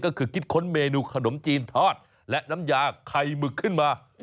ก็คือคิดค้นเมนูขนมจีนทอดและน้ำยาไข่หมึกขึ้นมา